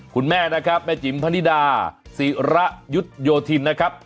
คุณแม่นะครับแม่จิ๋มพนิดาศิระยุทธโยธินนะครับ